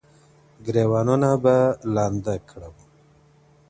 • گرېـوانـونه به لانــــده كـــــــــړم.